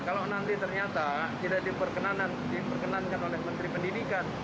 kalau nanti ternyata tidak diperkenankan diperkenankan oleh menteri pendidikan